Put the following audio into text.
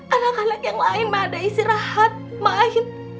anak anak yang lain mah ada istirahat main